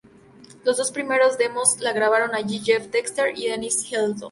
Las dos primeras demos las grabaron allí Jeff Dexter y Dennis Elliott.